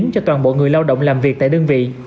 cho toàn bộ người lao động làm việc tại đơn vị